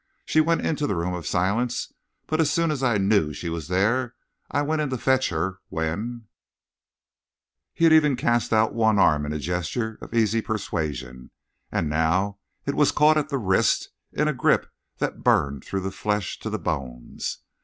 She went into the Room of Silence, but as soon as I knew she was there I went to fetch her, when " He had even cast out one arm in a gesture of easy persuasion, and now it was caught at the wrist in a grip that burned through the flesh to the bones.